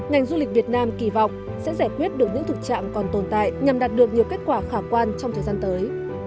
ngành du lịch việt nam kỳ vọng sẽ giải quyết được những thực trạng còn tồn tại nhằm đạt được nhiều kết quả khả quan trong thời gian tới